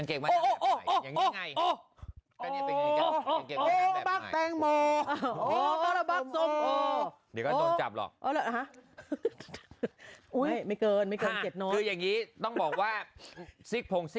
เขาสั่งได้ไหมครับพี่หนู